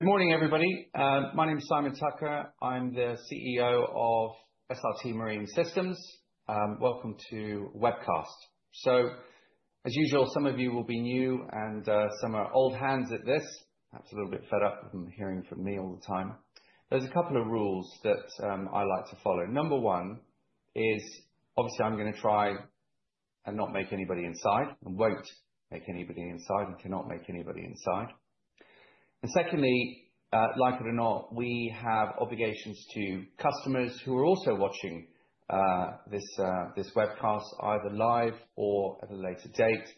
Good morning, everybody. My name is Simon Tucker. I'm the CEO of SRT Marine Systems. Welcome to the webcast. So, as usual, some of you will be new, and some are old hands at this. That's a little bit fed up from hearing from me all the time. There's a couple of rules that I like to follow. Number one is, obviously, I'm going to try and not make anybody upset, and won't make anybody upset, and cannot make anybody upset. And secondly, like it or not, we have obligations to customers who are also watching this webcast, either live or at a later date,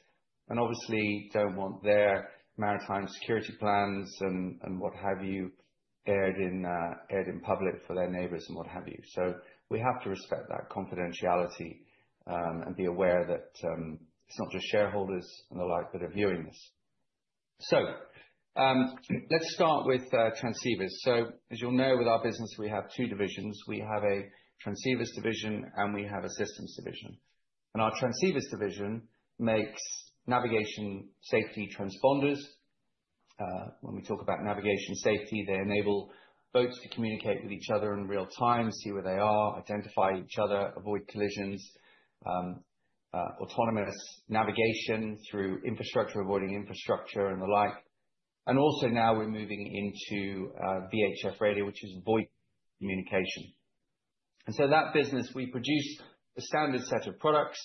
and obviously don't want their maritime security plans and what have you aired in public for their neighbors and what have you. So we have to respect that confidentiality and be aware that it's not just shareholders and the like that are viewing this. So let's start with transceivers. So, as you'll know, with our business, we have two divisions. We have a transceivers division, and we have a systems division. And our transceivers division makes navigation safety transponders. When we talk about navigation safety, they enable boats to communicate with each other in real time, see where they are, identify each other, avoid collisions, autonomous navigation through infrastructure, avoiding infrastructure and the like. And also now we're moving into VHF radio, which is voice communication. And so that business, we produce a standard set of products,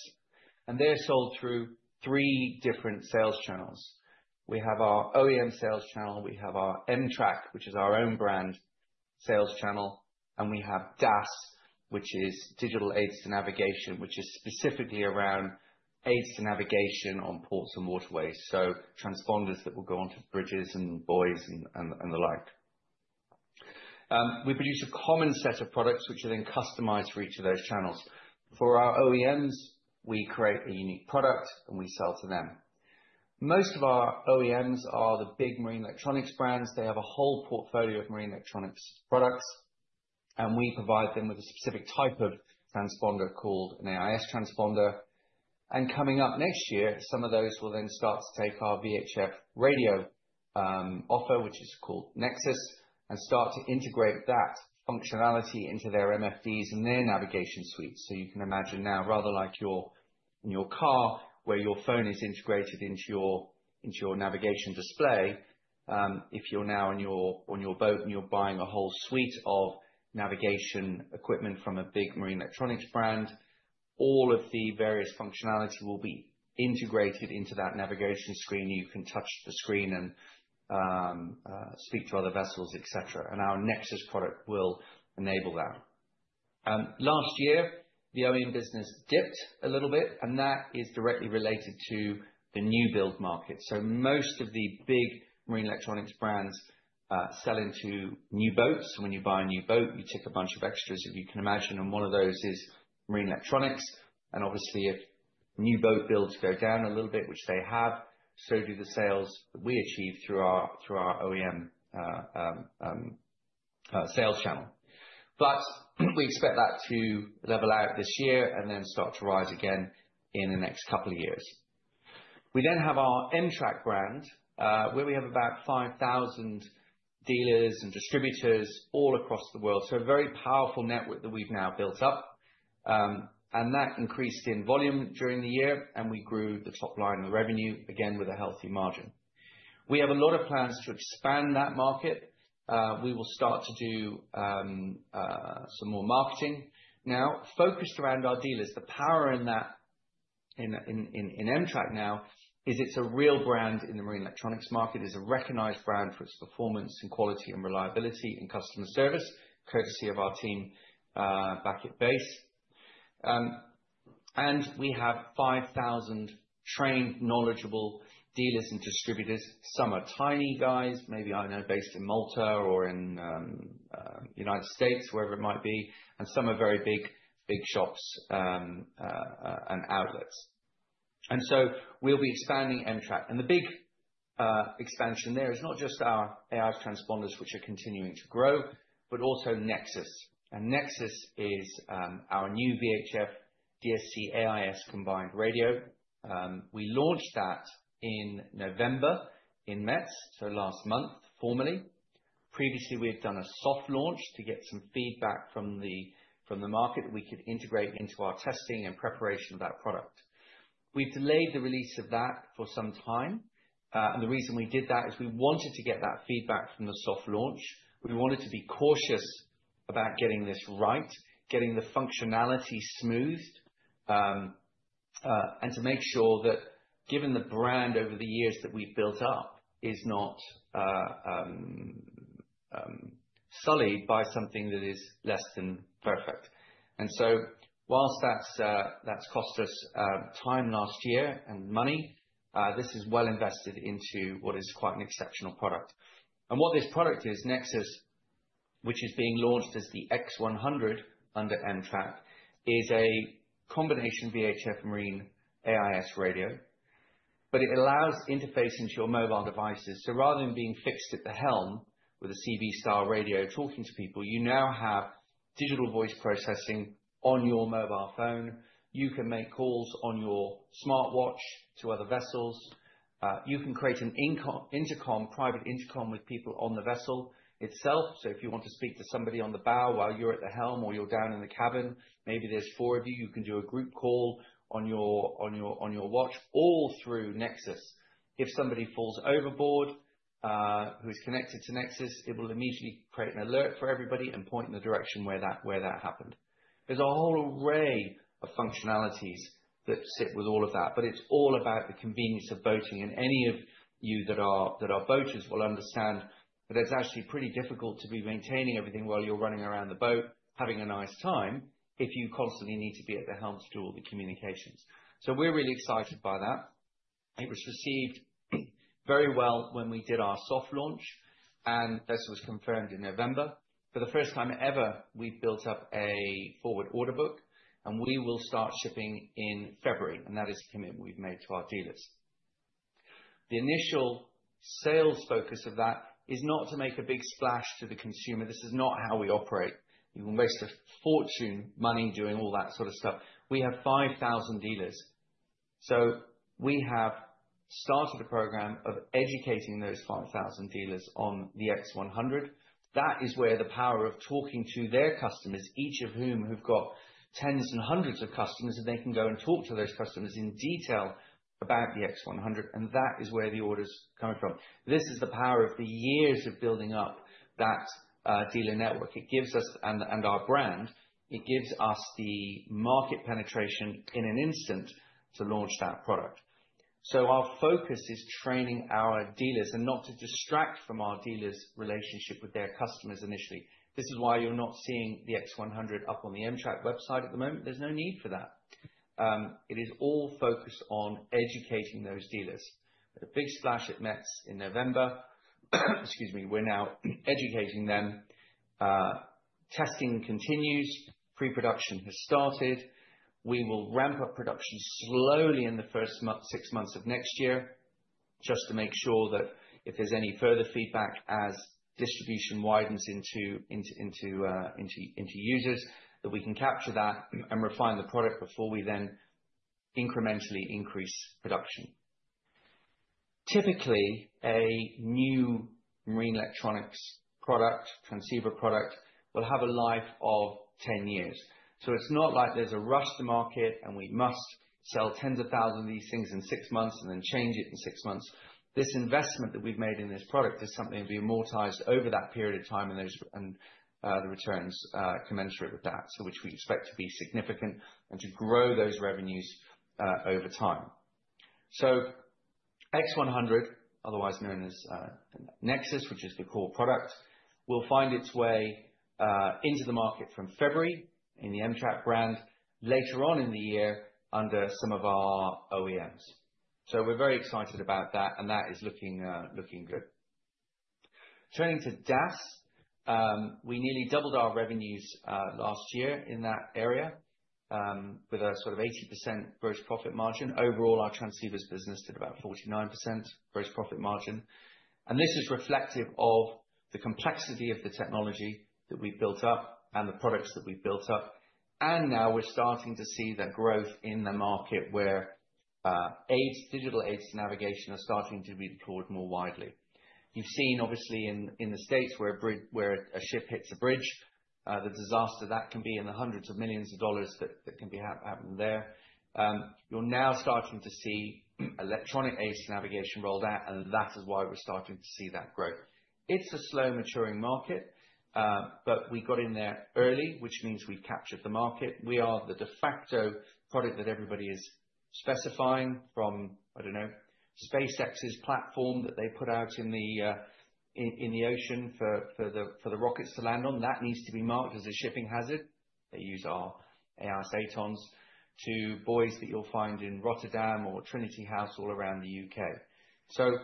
and they're sold through three different sales channels. We have our OEM sales channel. We have our em-trak, which is our own brand sales channel. And we have DAS, which is Digital Aids to Navigation, which is specifically around aids to navigation on ports and waterways. Transponders that will go onto bridges and buoys and the like. We produce a common set of products, which are then customized for each of those channels. For our OEMs, we create a unique product, and we sell to them. Most of our OEMs are the big marine electronics brands. They have a whole portfolio of marine electronics products, and we provide them with a specific type of transponder called an AIS transponder. And coming up next year, some of those will then start to take our VHF radio offer, which is called Nexus, and start to integrate that functionality into their MFDs and their navigation suites. You can imagine now, rather like your car, where your phone is integrated into your navigation display. If you're now on your boat and you're buying a whole suite of navigation equipment from a big marine electronics brand, all of the various functionality will be integrated into that navigation screen. You can touch the screen and speak to other vessels, etc. And our Nexus product will enable that. Last year, the OEM business dipped a little bit, and that is directly related to the new build market. So most of the big marine electronics brands sell into new boats. So when you buy a new boat, you tick a bunch of extras, if you can imagine. And one of those is marine electronics. And obviously, if new boat builds go down a little bit, which they have, so do the sales that we achieve through our OEM sales channel. But we expect that to level out this year and then start to rise again in the next couple of years. We then have our em-trak brand, where we have about 5,000 dealers and distributors all across the world. So a very powerful network that we've now built up. And that increased in volume during the year, and we grew the top line of the revenue, again, with a healthy margin. We have a lot of plans to expand that market. We will start to do some more marketing now, focused around our dealers. The power in em-trak now is it's a real brand in the marine electronics market. It's a recognized brand for its performance and quality and reliability and customer service, courtesy of our team back at base. And we have 5,000 trained, knowledgeable dealers and distributors. Some are tiny guys, maybe based in Malta or in the United States, wherever it might be, and some are very big shops and outlets. And so we'll be expanding em-trak. And the big expansion there is not just our AIS transponders, which are continuing to grow, but also Nexus. And Nexus is our new VHF, DSC, AIS combined radio. We launched that in November in METS, so last month, formally. Previously, we had done a soft launch to get some feedback from the market that we could integrate into our testing and preparation of that product. We've delayed the release of that for some time. And the reason we did that is we wanted to get that feedback from the soft launch. We wanted to be cautious about getting this right, getting the functionality smoothed, and to make sure that, given the brand over the years that we've built up, is not sullied by something that is less than perfect, and so whilst that's cost us time last year and money, this is well invested into what is quite an exceptional product, and what this product is, Nexus, which is being launched as the X100 under em-trak, is a combination VHF marine AIS radio, but it allows interface into your mobile devices, so rather than being fixed at the helm with a CB-style radio talking to people, you now have digital voice processing on your mobile phone. You can make calls on your smartwatch to other vessels. You can create an intercom, private intercom, with people on the vessel itself. So if you want to speak to somebody on the bow while you're at the helm or you're down in the cabin, maybe there's four of you, you can do a group call on your watch all through Nexus. If somebody falls overboard who is connected to Nexus, it will immediately create an alert for everybody and point in the direction where that happened. There's a whole array of functionalities that sit with all of that, but it's all about the convenience of boating. And any of you that are boaters will understand that it's actually pretty difficult to be maintaining everything while you're running around the boat, having a nice time, if you constantly need to be at the helm to do all the communications. So we're really excited by that. It was received very well when we did our soft launch, and this was confirmed in November. For the first time ever, we've built up a forward order book, and we will start shipping in February, and that is a commitment we've made to our dealers. The initial sales focus of that is not to make a big splash to the consumer. This is not how we operate. You can waste a fortune money doing all that sort of stuff. We have 5,000 dealers, so we have started a program of educating those 5,000 dealers on the X100. That is where the power of talking to their customers, each of whom have got tens and hundreds of customers, and they can go and talk to those customers in detail about the X100, and that is where the orders are coming from. This is the power of the years of building up that dealer network. It gives us, and our brand, it gives us the market penetration in an instant to launch that product. So our focus is training our dealers and not to distract from our dealers' relationship with their customers initially. This is why you're not seeing the X100 up on the em-trak website at the moment. There's no need for that. It is all focused on educating those dealers. A big splash at METS in November. Excuse me. We're now educating them. Testing continues. Pre-production has started. We will ramp up production slowly in the first six months of next year just to make sure that if there's any further feedback as distribution widens into users, that we can capture that and refine the product before we then incrementally increase production. Typically, a new marine electronics product, transceiver product, will have a life of 10 years. So it's not like there's a rush to market and we must sell tens of thousands of these things in six months and then change it in six months. This investment that we've made in this product is something that will be amortized over that period of time and the returns commensurate with that, which we expect to be significant and to grow those revenues over time. So X100, otherwise known as Nexus, which is the core product, will find its way into the market from February in the em-trak brand later on in the year under some of our OEMs. So we're very excited about that, and that is looking good. Turning to DAS, we nearly doubled our revenues last year in that area with a sort of 80% gross profit margin. Overall, our transceivers business did about 49% gross profit margin. This is reflective of the complexity of the technology that we've built up and the products that we've built up. Now we're starting to see that growth in the market where digital aids to navigation are starting to be deployed more widely. You've seen, obviously, in the States where a ship hits a bridge, the disaster that can be and the hundreds of millions of dollars that can be happening there. You're now starting to see electronic aids to navigation rolled out, and that is why we're starting to see that growth. It's a slow-maturing market, but we got in there early, which means we've captured the market. We are the de facto product that everybody is specifying from, I don't know, SpaceX's platform that they put out in the ocean for the rockets to land on. That needs to be marked as a shipping hazard. They use our AIS AtoNs on buoys that you'll find in Rotterdam or Trinity House all around the U.K. So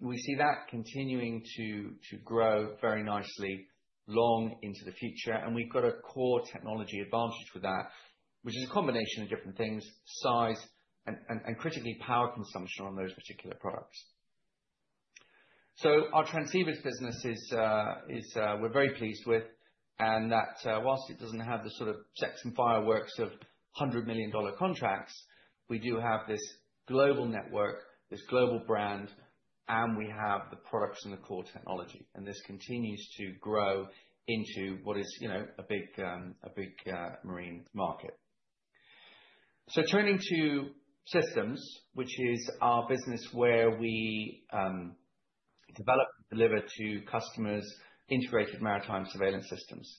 we see that continuing to grow very nicely long into the future. And we've got a core technology advantage with that, which is a combination of different things, size, and critically power consumption on those particular products. So our transceivers business is we're very pleased with. And whilst it doesn't have the sort of shekels and fireworks of $100 million contracts, we do have this global network, this global brand, and we have the products and the core technology. And this continues to grow into what is a big marine market. So turning to systems, which is our business where we develop and deliver to customers integrated maritime surveillance systems.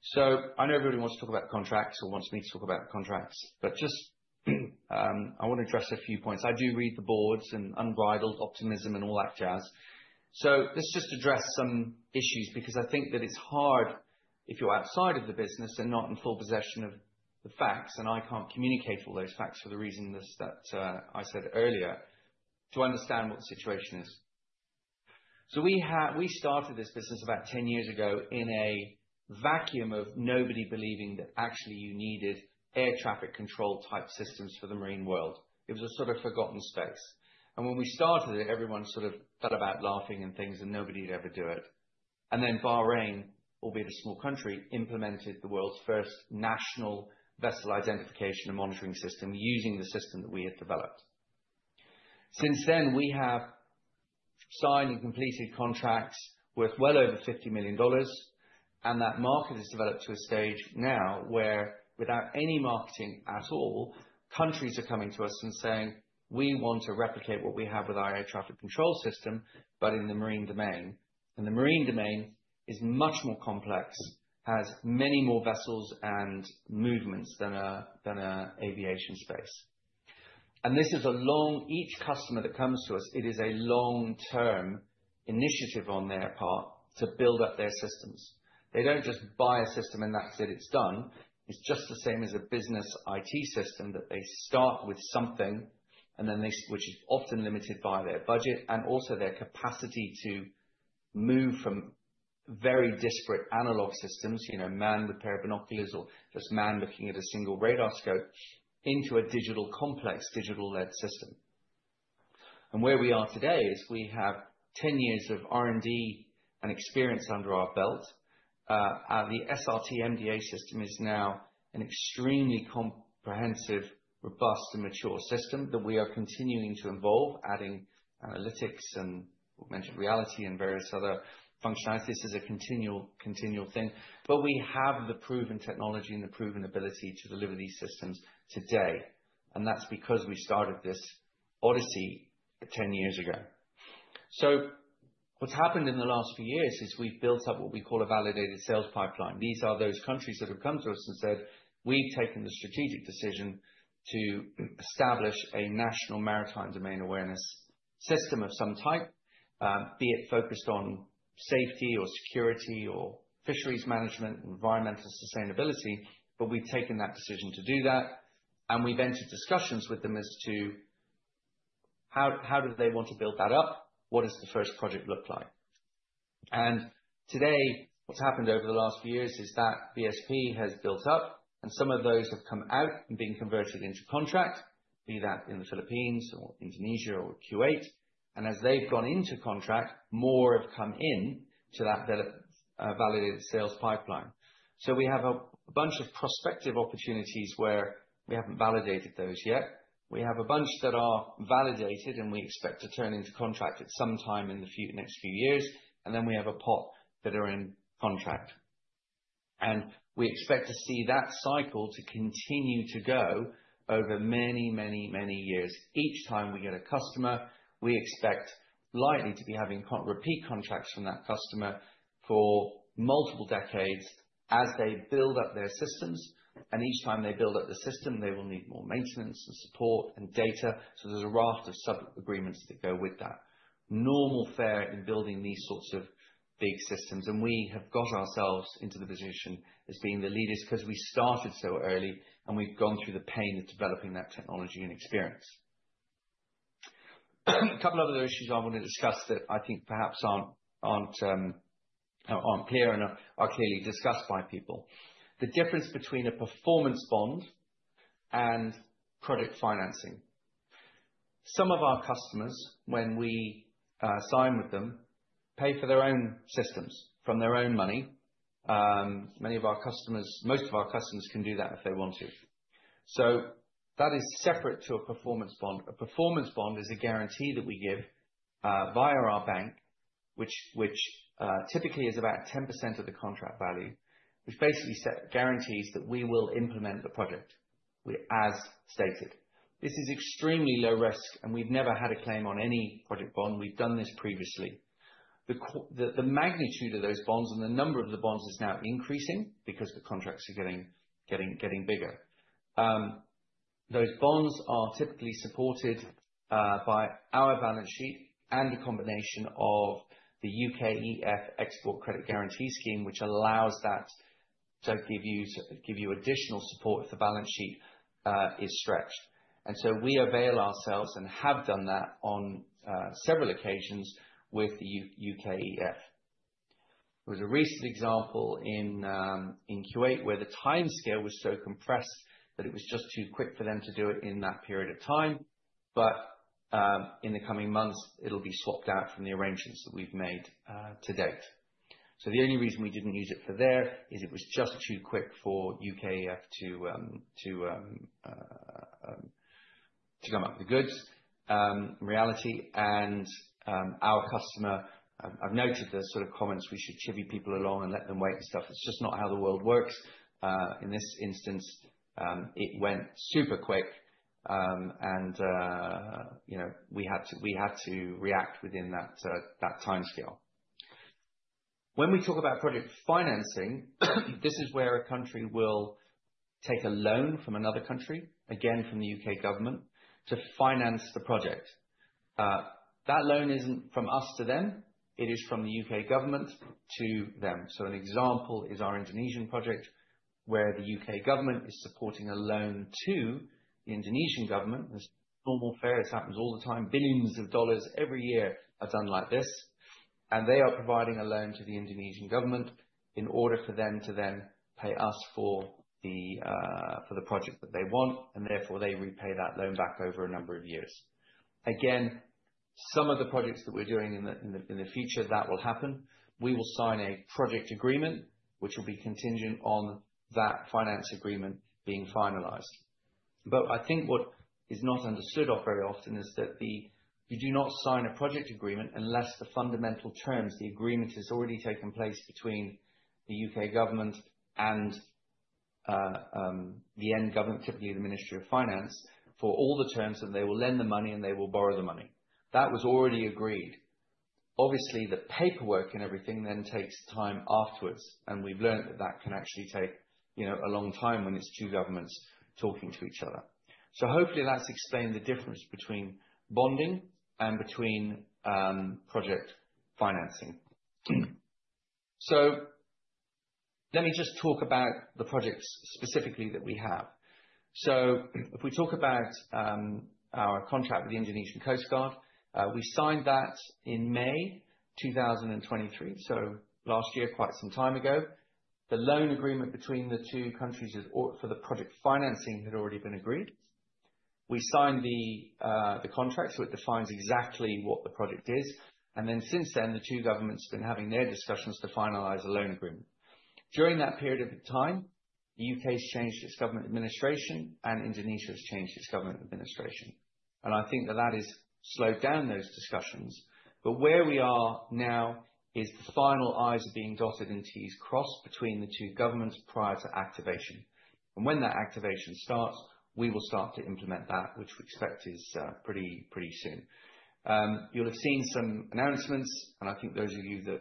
So, I know everybody wants to talk about contracts or wants me to talk about contracts, but just I want to address a few points. I do read the boards and unbridled optimism and all that jazz. So, let's just address some issues because I think that it's hard if you're outside of the business and not in full possession of the facts, and I can't communicate all those facts for the reason that I said earlier, to understand what the situation is. So, we started this business about 10 years ago in a vacuum of nobody believing that actually you needed air traffic control type systems for the marine world. It was a sort of forgotten space. And when we started it, everyone sort of fell about laughing and things, and nobody would ever do it. Then Bahrain, albeit a small country, implemented the world's first national vessel identification and monitoring system using the system that we had developed. Since then, we have signed and completed contracts worth well over $50 million. That market has developed to a stage now where, without any marketing at all, countries are coming to us and saying, "We want to replicate what we have with our air traffic control system, but in the marine domain." The marine domain is much more complex, has many more vessels and movements than our aviation space. This is for each customer that comes to us, it is a long-term initiative on their part to build up their systems. They don't just buy a system and that's it, it's done. It's just the same as a business IT system that they start with something, which is often limited by their budget and also their capacity to move from very disparate analog systems, man with pair of binoculars or just man looking at a single radar scope, into a digital complex, digital-led system, and where we are today is we have 10 years of R&D and experience under our belt. The SRT MDA System is now an extremely comprehensive, robust, and mature system that we are continuing to evolve, adding analytics and augmented reality and various other functionalities. This is a continual thing, but we have the proven technology and the proven ability to deliver these systems today, and that's because we started this odyssey 10 years ago, so what's happened in the last few years is we've built up what we call a validated sales pipeline. These are those countries that have come to us and said, "We've taken the strategic decision to establish a national maritime domain awareness system of some type, be it focused on safety or security or fisheries management, environmental sustainability." But we've taken that decision to do that. And we've entered discussions with them as to how do they want to build that up, what does the first project look like. And today, what's happened over the last few years is that VSP has built up, and some of those have come out and been converted into contract, be that in the Philippines or Indonesia or Kuwait. And as they've gone into contract, more have come into that validated sales pipeline. So we have a bunch of prospective opportunities where we haven't validated those yet. We have a bunch that are validated, and we expect to turn into contract at some time in the next few years. And then we have a pot that are in contract. And we expect to see that cycle to continue to go over many, many, many years. Each time we get a customer, we expect likely to be having repeat contracts from that customer for multiple decades as they build up their systems. And each time they build up the system, they will need more maintenance and support and data. So there's a raft of sub-agreements that go with that. Normal fare in building these sorts of big systems. And we have got ourselves into the position as being the leaders because we started so early, and we've gone through the pain of developing that technology and experience. A couple of other issues I want to discuss that I think perhaps aren't clear and are clearly discussed by people. The difference between a performance bond and project financing. Some of our customers, when we sign with them, pay for their own systems from their own money. Most of our customers can do that if they want to. So that is separate to a performance bond. A performance bond is a guarantee that we give via our bank, which typically is about 10% of the contract value, which basically guarantees that we will implement the project, as stated. This is extremely low risk, and we've never had a claim on any performance bond. We've done this previously. The magnitude of those bonds and the number of the bonds is now increasing because the contracts are getting bigger. Those bonds are typically supported by our balance sheet and a combination of the UKEF Export Credit Guarantee Scheme, which allows that to give you additional support if the balance sheet is stretched. And so we avail ourselves and have done that on several occasions with the UKEF. There was a recent example in Kuwait where the timescale was so compressed that it was just too quick for them to do it in that period of time. But in the coming months, it'll be swapped out from the arrangements that we've made to date. So the only reason we didn't use it for there is it was just too quick for UKEF to come up with the goods reality. And our customer, I've noted the sort of comments we should chivvy people along and let them wait and stuff. It's just not how the world works. In this instance, it went super quick, and we had to react within that timescale. When we talk about project financing, this is where a country will take a loan from another country, again, from the U.K. government, to finance the project. That loan isn't from us to them. It is from the U.K. government to them. So an example is our Indonesian project where the U.K. government is supporting a loan to the Indonesian government. It's normal fare. It happens all the time. Billions of dollars every year are done like this. And they are providing a loan to the Indonesian government in order for them to then pay us for the project that they want, and therefore, they repay that loan back over a number of years. Again, some of the projects that we're doing in the future, that will happen. We will sign a project agreement, which will be contingent on that finance agreement being finalized, but I think what is not understood very often is that you do not sign a project agreement unless the fundamental terms, the agreement has already taken place between the U.K. government and the end government, typically the Ministry of Finance, for all the terms that they will lend the money and they will borrow the money. That was already agreed. Obviously, the paperwork and everything then takes time afterwards, and we've learned that that can actually take a long time when it's two governments talking to each other, so hopefully, that's explained the difference between bonding and between project financing, so let me just talk about the projects specifically that we have. So if we talk about our contract with the Indonesian Coast Guard, we signed that in May 2023, so last year, quite some time ago. The loan agreement between the two countries for the project financing had already been agreed. We signed the contract, so it defines exactly what the project is. And then since then, the two governments have been having their discussions to finalize a loan agreement. During that period of time, the U.K. has changed its government administration, and Indonesia has changed its government administration. And I think that that has slowed down those discussions. But where we are now is the final i’s are being dotted and T’s crossed between the two governments prior to activation. And when that activation starts, we will start to implement that, which we expect is pretty soon. You'll have seen some announcements, and I think those of you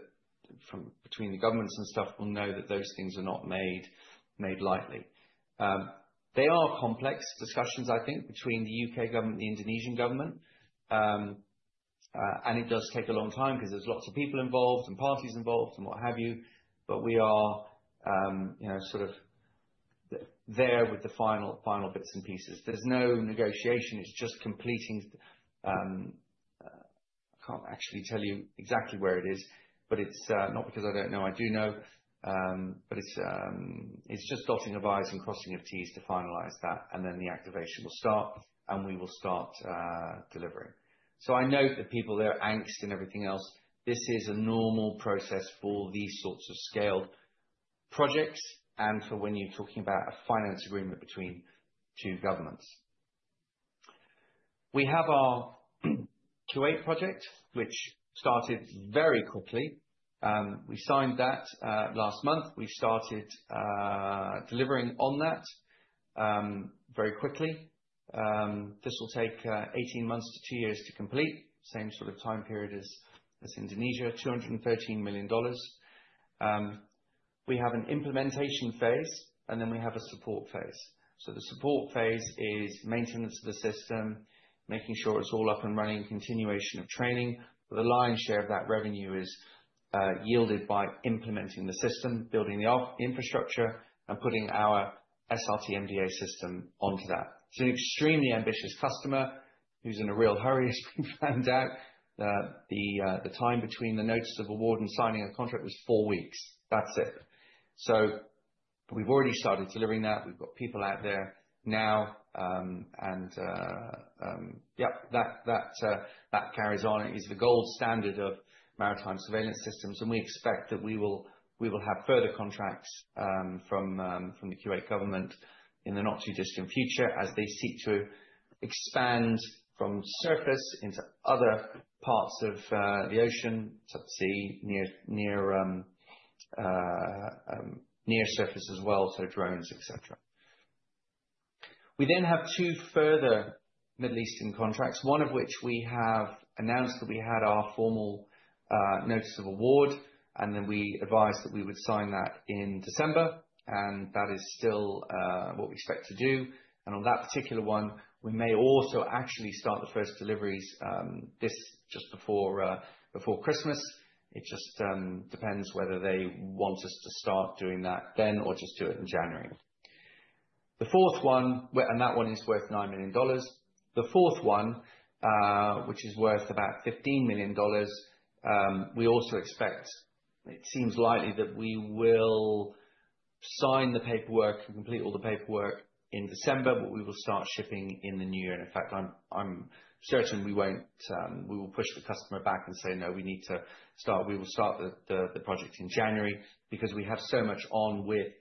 from between the governments and stuff will know that those things are not made lightly. They are complex discussions, I think, between the U.K. government and the Indonesian government. And it does take a long time because there's lots of people involved and parties involved and what have you. But we are sort of there with the final bits and pieces. There's no negotiation. It's just completing. I can't actually tell you exactly where it is, but it's not because I don't know. I do know. But it's just dotting of I's and crossing of T's to finalize that, and then the activation will start, and we will start delivering. So I note that people, they're angst and everything else. This is a normal process for these sorts of scaled projects and for when you're talking about a finance agreement between two governments. We have our Kuwait project, which started very quickly. We signed that last month. We started delivering on that very quickly. This will take 18 months to two years to complete, same sort of time period as Indonesia, $213 million. We have an implementation phase, and then we have a support phase. So the support phase is maintenance of the system, making sure it's all up and running, continuation of training. The lion's share of that revenue is yielded by implementing the system, building the infrastructure, and putting our SRT MDA System onto that. It's an extremely ambitious customer who's in a real hurry, as we found out. The time between the notice of award and signing a contract was four weeks. That's it. So we've already started delivering that. We've got people out there now. And yep, that carries on. It is the gold standard of maritime surveillance systems. And we expect that we will have further contracts from the Kuwait government in the not too distant future as they seek to expand from surface into other parts of the ocean, subsea, near surface as well, so drones, etc. We then have two further Middle Eastern contracts, one of which we have announced that we had our formal notice of award, and then we advised that we would sign that in December. And that is still what we expect to do. And on that particular one, we may also actually start the first deliveries just before Christmas. It just depends whether they want us to start doing that then or just do it in January. The fourth one, and that one is worth $9 million. The fourth one, which is worth about $15 million, we also expect, it seems likely that we will sign the paperwork and complete all the paperwork in December, but we will start shipping in the new year. In fact, I'm certain we will push the customer back and say, "No, we need to start. We will start the project in January because we have so much on with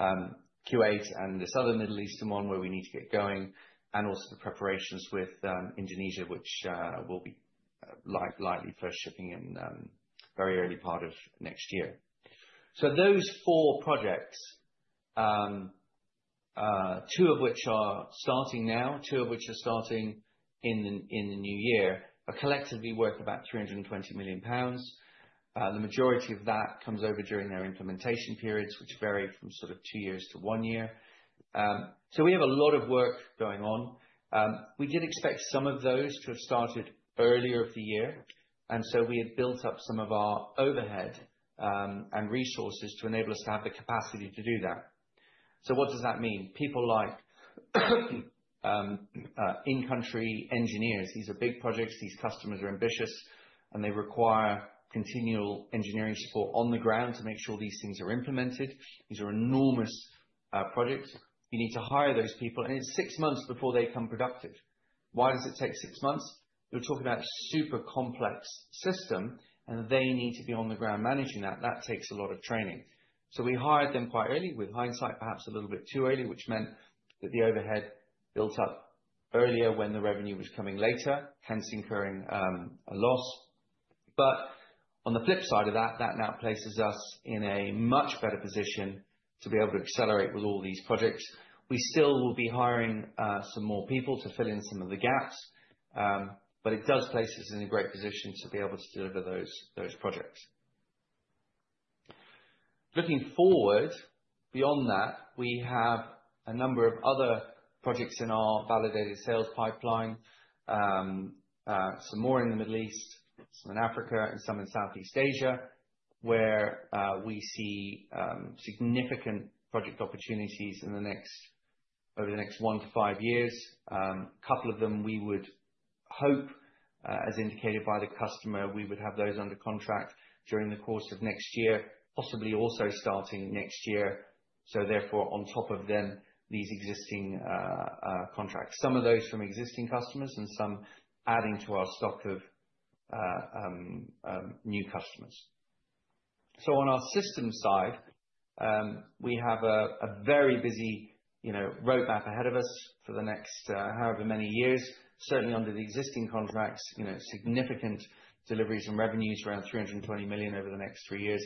Kuwait and this other Middle Eastern one where we need to get going, and also the preparations with Indonesia, which will be likely first shipping in the very early part of next year." So those four projects, two of which are starting now, two of which are starting in the new year, are collectively worth about £320 million. The majority of that comes over during their implementation periods, which vary from sort of two years to one year, so we have a lot of work going on. We did expect some of those to have started earlier in the year, and so we had built up some of our overhead and resources to enable us to have the capacity to do that, so what does that mean? People like in-country engineers. These are big projects. These customers are ambitious, and they require continual engineering support on the ground to make sure these things are implemented. These are enormous projects. You need to hire those people, and it's six months before they become productive. Why does it take six months? You're talking about a super complex system, and they need to be on the ground managing that. That takes a lot of training. We hired them quite early, with hindsight perhaps a little bit too early, which meant that the overhead built up earlier when the revenue was coming later, hence incurring a loss. But on the flip side of that, that now places us in a much better position to be able to accelerate with all these projects. We still will be hiring some more people to fill in some of the gaps, but it does place us in a great position to be able to deliver those projects. Looking forward, beyond that, we have a number of other projects in our validated sales pipeline, some more in the Middle East, some in Africa, and some in Southeast Asia, where we see significant project opportunities over the next one to five years. A couple of them we would hope, as indicated by the customer, we would have those under contract during the course of next year, possibly also starting next year. So therefore, on top of them, these existing contracts. Some of those from existing customers and some adding to our stock of new customers. So on our system side, we have a very busy roadmap ahead of us for the next however many years. Certainly, under the existing contracts, significant deliveries and revenues around 320 million over the next three years,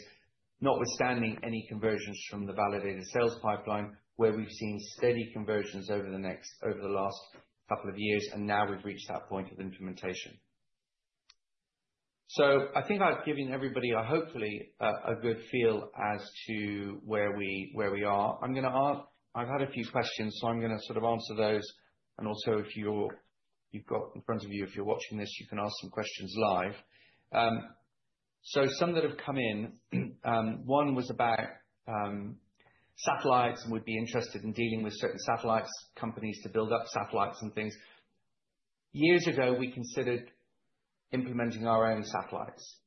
notwithstanding any conversions from the validated sales pipeline, where we've seen steady conversions over the last couple of years, and now we've reached that point of implementation. So I think I've given everybody, hopefully, a good feel as to where we are. I'm going to ask. I've had a few questions, so I'm going to sort of answer those. And also, if you've got in front of you, if you're watching this, you can ask some questions live. So some that have come in, one was about satellites and would be interested in dealing with certain satellites, companies to build up satellites and things. Years ago, we considered implementing our own satellites.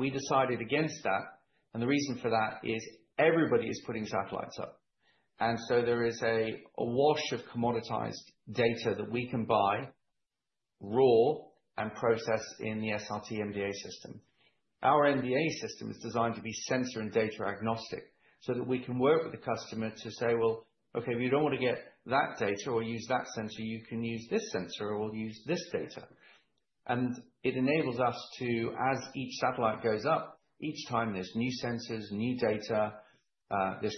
We decided against that. And the reason for that is everybody is putting satellites up. And so there is a wash of commoditized data that we can buy raw and process in the SRT MDA System. Our MDA system is designed to be sensor and data agnostic so that we can work with the customer to say, "Well, okay, if you don't want to get that data or use that sensor, you can use this sensor or we'll use this data." And it enables us to, as each satellite goes up, each time there's new sensors, new data, there's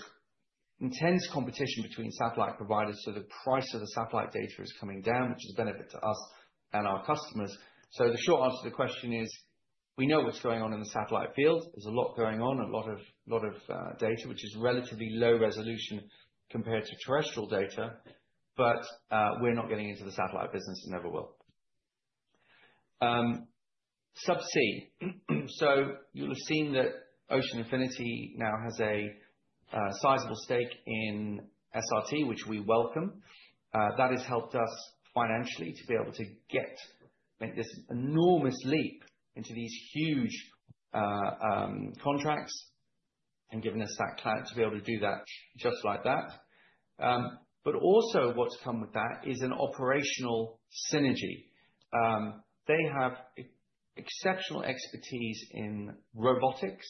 intense competition between satellite providers, so the price of the satellite data is coming down, which is a benefit to us and our customers. So the short answer to the question is, we know what's going on in the satellite field. There's a lot going on, a lot of data, which is relatively low resolution compared to terrestrial data, but we're not getting into the satellite business and never will. Subsea. So you'll have seen that Ocean Infinity now has a sizable stake in SRT, which we welcome. That has helped us financially to be able to get this enormous leap into these huge contracts and given us that clout to be able to do that just like that. But also, what's come with that is an operational synergy. They have exceptional expertise in robotics.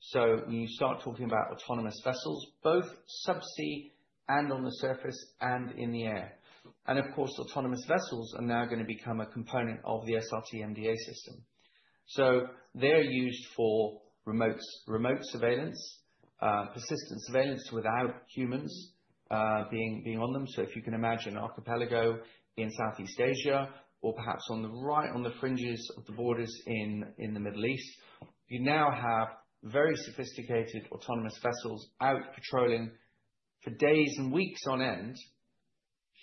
So when you start talking about autonomous vessels, both subsea and on the surface and in the air. And of course, autonomous vessels are now going to become a component of the SRT MDA System. So they're used for remote surveillance, persistent surveillance without humans being on them. So if you can imagine an archipelago in Southeast Asia or perhaps on the fringes of the borders in the Middle East, you now have very sophisticated autonomous vessels out patrolling for days and weeks on end,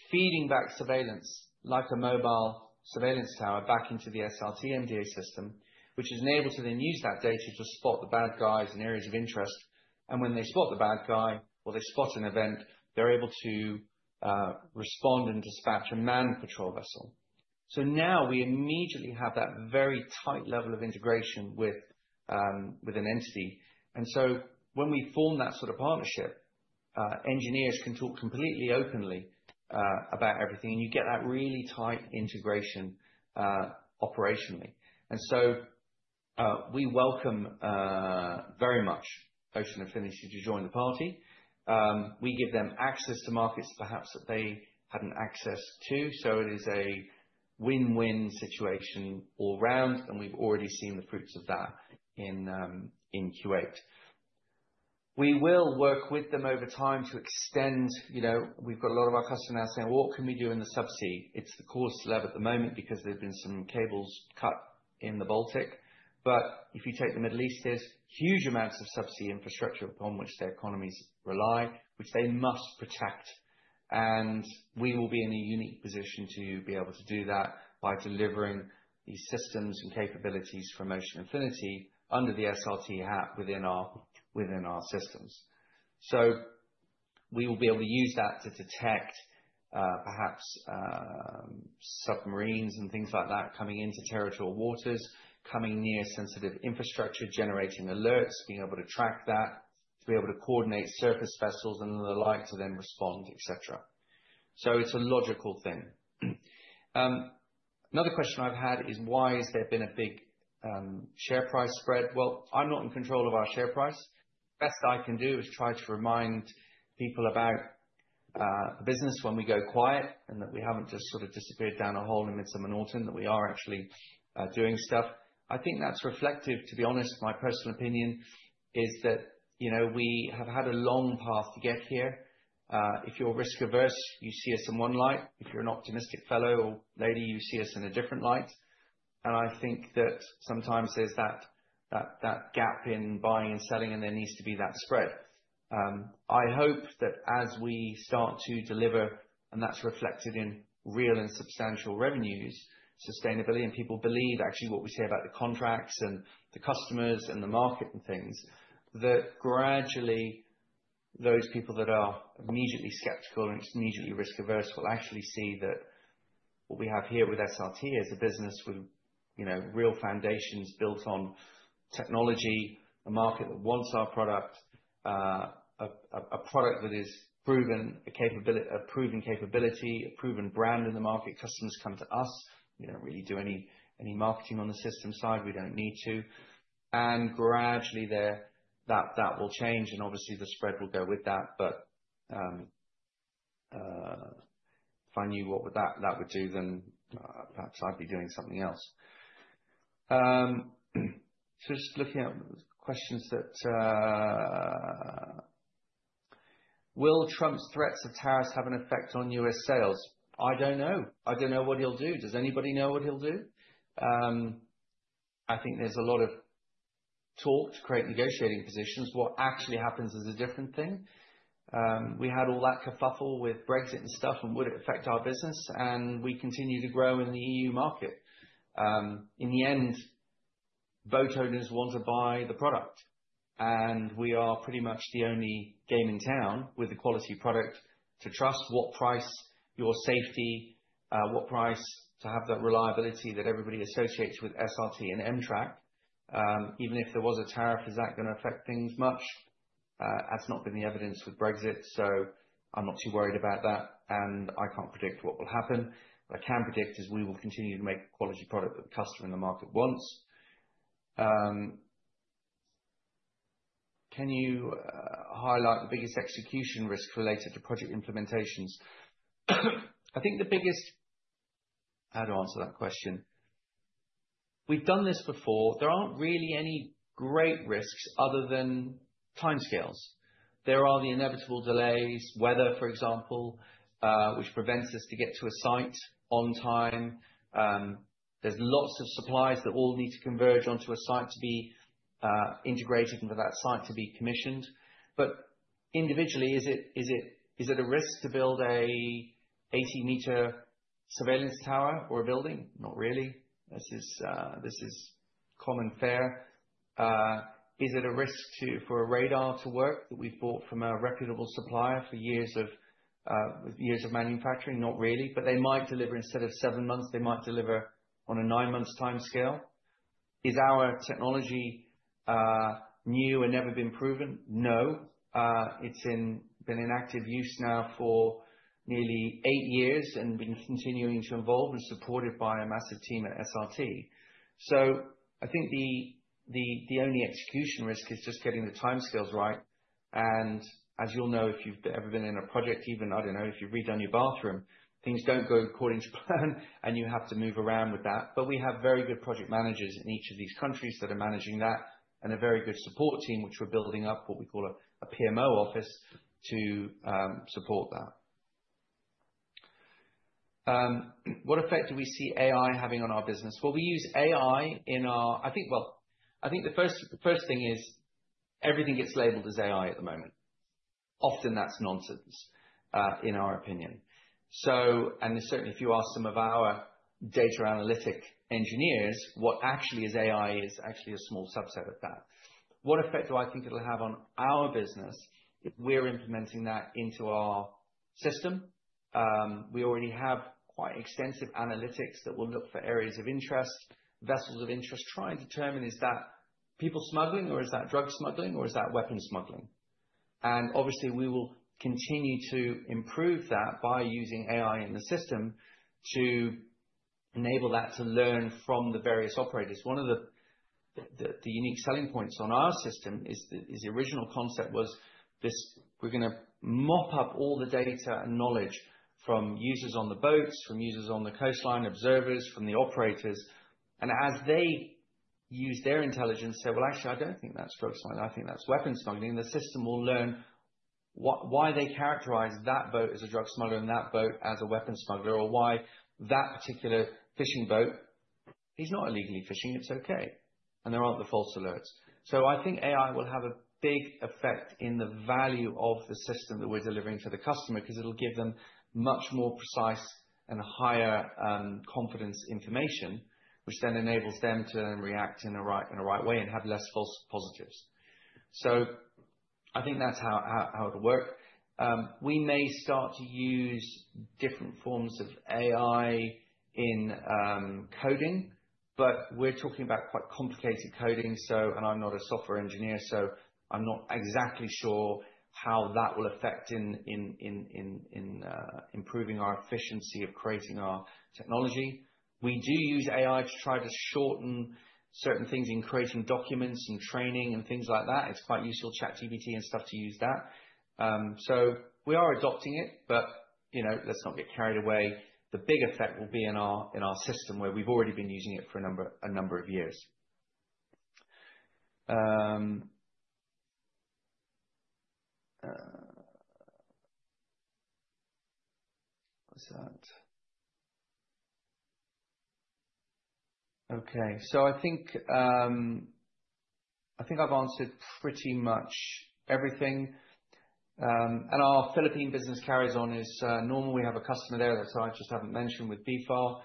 feeding back surveillance like a mobile surveillance tower back into the SRT MDA System, which is enabled to then use that data to spot the bad guys in areas of interest. And when they spot the bad guy or they spot an event, they're able to respond and dispatch a manned patrol vessel. So now we immediately have that very tight level of integration with an entity. And so when we form that sort of partnership, engineers can talk completely openly about everything, and you get that really tight integration operationally. And so we welcome very much Ocean Infinity to join the party. We give them access to markets perhaps that they hadn't access to, so it is a win-win situation all round, and we've already seen the fruits of that in Kuwait. We will work with them over time to extend. We've got a lot of our customers now saying, "Well, what can we do in the subsea?" It's the coolest level at the moment because there have been some cables cut in the Baltic. But if you take the Middle East, there's huge amounts of subsea infrastructure upon which their economies rely, which they must protect, and we will be in a unique position to be able to do that by delivering these systems and capabilities for Ocean Infinity under the SRT hat within our systems. So we will be able to use that to detect perhaps submarines and things like that coming into territorial waters, coming near sensitive infrastructure, generating alerts, being able to track that, to be able to coordinate surface vessels and the like to then respond, etc. So it's a logical thing. Another question I've had is, "Why has there been a big share price spread?" Well, I'm not in control of our share price. Best I can do is try to remind people about the business when we go quiet and that we haven't just sort of disappeared down a hole in Midsomer Norton, that we are actually doing stuff. I think that's reflective, to be honest. My personal opinion is that we have had a long path to get here. If you're risk-averse, you see us in one light. If you're an optimistic fellow or lady, you see us in a different light. And I think that sometimes there's that gap in buying and selling, and there needs to be that spread. I hope that as we start to deliver, and that's reflected in real and substantial revenues, sustainability, and people believe actually what we say about the contracts and the customers and the market and things, that gradually those people that are immediately skeptical and immediately risk-averse will actually see that what we have here with SRT is a business with real foundations built on technology, a market that wants our product, a product that is proven, a proven capability, a proven brand in the market. Customers come to us. We don't really do any marketing on the system side. We don't need to. And gradually that will change, and obviously the spread will go with that. But if I knew what that would do, then perhaps I'd be doing something else. So just looking at questions that, "Will Trump's threats of tariffs have an effect on US sales?" I don't know. I don't know what he'll do. Does anybody know what he'll do? I think there's a lot of talk to create negotiating positions. What actually happens is a different thing. We had all that kerfuffle with Brexit and stuff, and would it affect our business? And we continue to grow in the EU market. In the end, boat owners want to buy the product, and we are pretty much the only game in town with a quality product to trust. What price? Your safety. What price? To have that reliability that everybody associates with SRT and em-trak. Even if there was a tariff, is that going to affect things much? That's not been the evidence with Brexit, so I'm not too worried about that, and I can't predict what will happen. What I can predict is we will continue to make quality product that the customer in the market wants. Can you highlight the biggest execution risk related to project implementations? I think the biggest, how do I answer that question? We've done this before. There aren't really any great risks other than timescales. There are the inevitable delays, weather, for example, which prevents us to get to a site on time. There's lots of supplies that all need to converge onto a site to be integrated and for that site to be commissioned. But individually, is it a risk to build an 80-meter surveillance tower or a building? Not really. This is common fare. Is it a risk for a radar to work that we've bought from a reputable supplier for years of manufacturing? Not really. But they might deliver instead of seven months, they might deliver on a nine-month time scale. Is our technology new and never been proven? No. It's been in active use now for nearly eight years and been continuing to evolve and supported by a massive team at SRT. So I think the only execution risk is just getting the timescales right. And as you'll know, if you've ever been in a project, even, I don't know, if you've redone your bathroom, things don't go according to plan, and you have to move around with that. But we have very good project managers in each of these countries that are managing that and a very good support team, which we're building up, what we call a PMO office, to support that. What effect do we see AI having on our business? Well, we use AI in our, I think, well, I think the first thing is everything gets labeled as AI at the moment. Often, that's nonsense, in our opinion. And certainly, if you ask some of our data analytic engineers, what actually is AI is actually a small subset of that. What effect do I think it'll have on our business if we're implementing that into our system? We already have quite extensive analytics that will look for areas of interest, vessels of interest, try and determine, is that people smuggling, or is that drug smuggling, or is that weapon smuggling? And obviously, we will continue to improve that by using AI in the system to enable that to learn from the various operators. One of the unique selling points on our system is the original concept was we're going to mop up all the data and knowledge from users on the boats, from users on the coastline, observers, from the operators, and as they use their intelligence, say, "Well, actually, I don't think that's drug smuggling. I think that's weapon smuggling," the system will learn why they characterize that boat as a drug smuggler and that boat as a weapon smuggler, or why that particular fishing boat is not illegally fishing. It's okay, and there aren't the false alerts. I think AI will have a big effect in the value of the system that we're delivering to the customer because it'll give them much more precise and higher confidence information, which then enables them to react in a right way and have less false positives, so I think that's how it'll work. We may start to use different forms of AI in coding, but we're talking about quite complicated coding. And I'm not a software engineer, so I'm not exactly sure how that will affect in improving our efficiency of creating our technology. We do use AI to try to shorten certain things in creating documents and training and things like that. It's quite useful, ChatGPT and stuff, to use that. So we are adopting it, but let's not get carried away. The big effect will be in our system where we've already been using it for a number of years. What was that? Okay. So I think I've answered pretty much everything. And our Philippine business carries on as normal. We have a customer there that I just haven't mentioned with BFAR.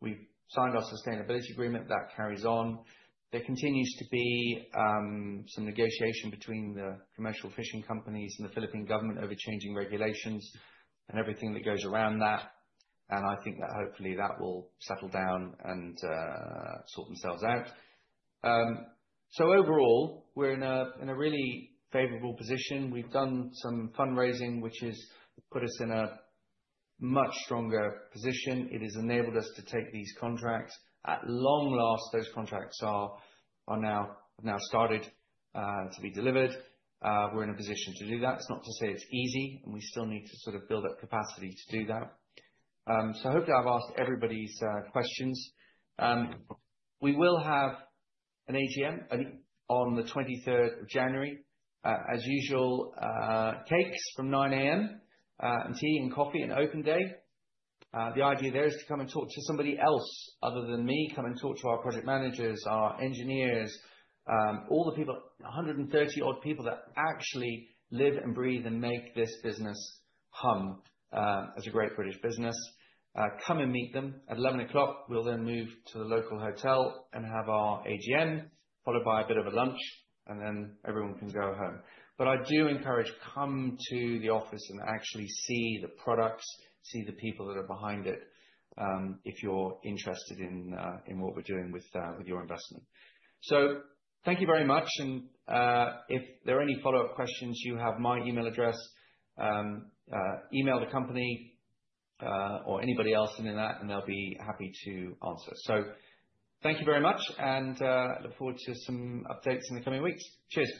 We've signed our sustainability agreement. That carries on. There continues to be some negotiation between the commercial fishing companies and the Philippine government over changing regulations and everything that goes around that. And I think that hopefully that will settle down and sort themselves out. So overall, we're in a really favorable position. We've done some fundraising, which has put us in a much stronger position. It has enabled us to take these contracts. At long last, those contracts have now started to be delivered. We're in a position to do that. It's not to say it's easy, and we still need to sort of build up capacity to do that. So hopefully, I've asked everybody's questions. We will have an AGM on the 23rd of January. As usual, cakes from 9:00 A.M. and tea and coffee and open day. The idea there is to come and talk to somebody else other than me. Come and talk to our project managers, our engineers, all the people, 130-odd people that actually live and breathe and make this business hum as a great British business. Come and meet them at 11:00 A.M. We'll then move to the local hotel and have our AGM, followed by a bit of a lunch, and then everyone can go home. But I do encourage coming to the office and actually seeing the products, seeing the people that are behind it if you're interested in what we're doing with your investment. So thank you very much. And if there are any follow-up questions you have, my email address, email the company or anybody else in that, and they'll be happy to answer. Thank you very much, and I look forward to some updates in the coming weeks. Cheers.